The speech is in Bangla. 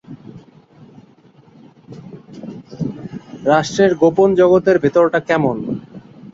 তারা সেখানে থাকাকালীন ওয়ার্ড নিউইয়র্ক বিশ্ববিদ্যালয়ে লেখালেখি এবং চিত্রনাট্য নিয়ে পড়াশোনা করেছিলেন।